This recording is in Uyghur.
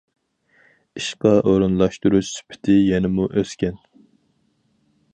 ئىشقا ئورۇنلاشتۇرۇش سۈپىتى يەنىمۇ ئۆسكەن.